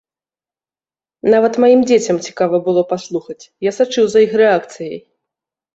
Нават маім дзецям цікава было паслухаць, я сачыў за іх рэакцыяй.